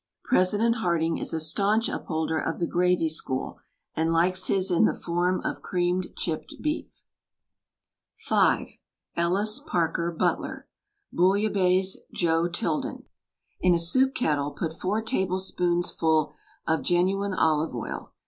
President Harding is a staunch upholder of the gravy school and likes his in the form of creamed chipped beef. WRITTEN FOR MEN BY MEN Ellis Parker Butler BOUILLABAISSE JOE TILDEN In a soup kettle put four tablespoonsful of genuine olive oil.